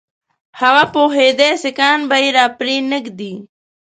هغه پوهېدی سیکهان به یې را پرې نه ږدي.